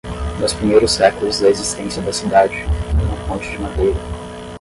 Nos primeiros séculos da existência da cidade, foi uma ponte de madeira.